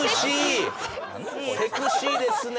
セクシーですね。